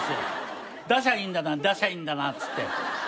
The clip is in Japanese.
出しゃいいんだな出しゃいいんだなっつって。